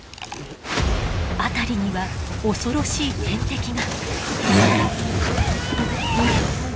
辺りには恐ろしい天敵が。